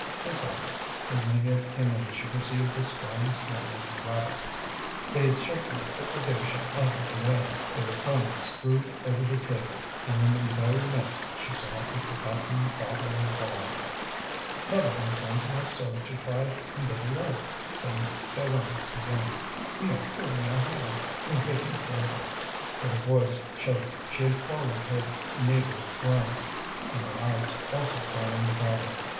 Besides, as Maheude came in she perceived a strong smell of rabbit; they had certainly put the dish out of the way. There were crumbs strewed over the table, and in the very midst she saw a forgotten bottle of wine. "Mother has gone to Montsou to try and get a loaf," said Pierronne again. "We are cooling our heels waiting for her." But her voice choked; she had followed her neighbour's glance, and her eyes also fell on the bottle.